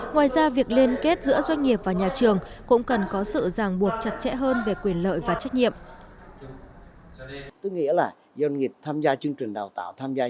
ngoài ra việc liên kết giữa doanh nghiệp và nhà trường cũng cần có sự ràng buộc chặt chẽ hơn về quyền lợi và trách nhiệm